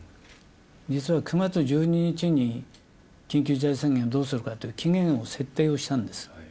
実は９月１２日に緊急事態宣言をどうするかっていう期限を設定をしたんです。